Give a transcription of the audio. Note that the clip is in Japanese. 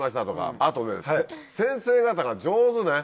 あと先生方が上手ね。